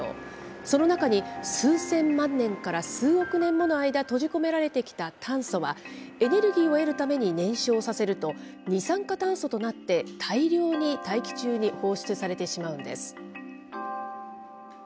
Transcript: その中に数千万年から数億年もの間、閉じ込められてきた炭素は、エネルギーを得るために燃焼させると、二酸化炭素となって大量に大気中に放出されてしまうんです。